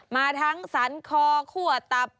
มาทั้งสันคอขั้วตับ